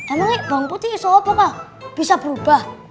emangnya bawang putih bisa berubah